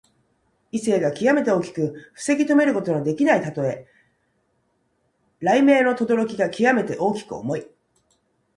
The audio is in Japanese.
威勢がきわめて大きく防ぎとめることのできないたとえ。雷鳴のとどろきがきわめて大きく重い。